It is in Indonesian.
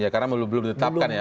karena belum ditetapkan ya